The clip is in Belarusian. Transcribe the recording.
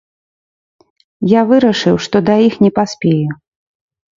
Я вырашыў, што да іх не паспею.